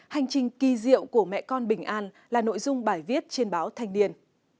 hành trình kỳ diệu của mẹ con bình an là nội dung bài viết trên báo thanh niên